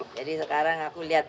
jadi sekarang aku lihat